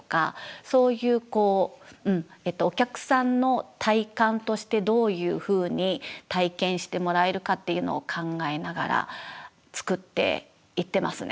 そういうこうお客さんの体感としてどういうふうに体験してもらえるかっていうのを考えながら作っていってますね。